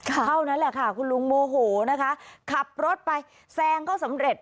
เท่านั้นแหละค่ะคุณลุงโมโหนะคะขับรถไปแซงเขาสำเร็จ